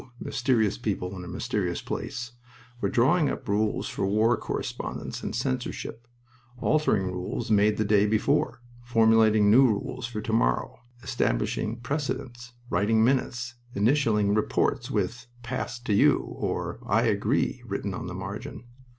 mysterious people in a mysterious place were drawing up rules for war correspondence and censorship; altering rules made the day before, formulating new rules for to morrow, establishing precedents, writing minutes, initialing reports with, "Passed to you," or, "I agree," written on the margin.